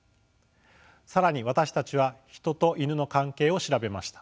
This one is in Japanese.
更に私たちはヒトとイヌの関係を調べました。